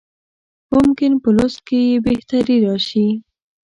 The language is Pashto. ممکن په لوست کې یې بهتري راشي.